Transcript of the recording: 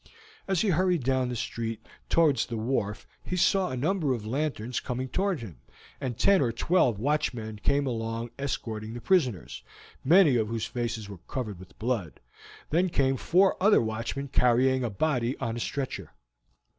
As he hurried down the street towards the wharf he saw a number of lanterns coming towards him, and ten or twelve watchmen came along escorting the prisoners, many of whose faces were covered with blood; then came four other watchmen carrying a body on a stretcher.